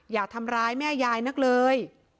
อย่าทำร้ายแม่ยายนักเลย